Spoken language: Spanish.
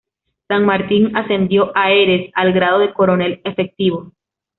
San Martín ascendió a Heres al grado de coronel efectivo.